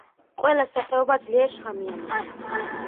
ყველა სახეობა ძლიერ შხამიანია.